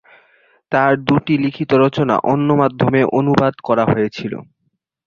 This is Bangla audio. তার দু'টি লিখিত রচনা অন্য মাধ্যমে অনুবাদ করা হয়েছিল।